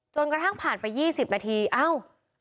กระทั่งผ่านไป๒๐นาทีเอ้า